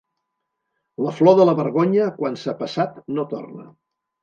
La flor de la vergonya quan s'ha passat no torna.